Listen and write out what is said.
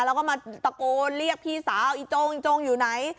แล้วก็มาตะโกนเรียกพี่สาวอีจงอีจงอยู่ไหน